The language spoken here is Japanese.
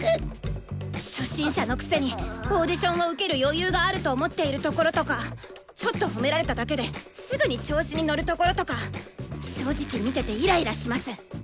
初心者のくせにオーディションを受ける余裕があると思っているところとかちょっと褒められただけですぐに調子に乗るところとか正直見ててイライラします。